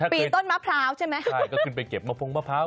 ปีนต้นมะพร้าวใช่ไหมใช่ก็ขึ้นไปเก็บมะพงมะพร้าว